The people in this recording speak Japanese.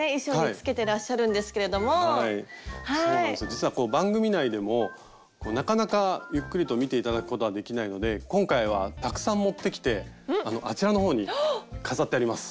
実は番組内でもなかなかゆっくりと見て頂くことはできないので今回はたくさん持ってきてあのあちらの方に飾ってあります。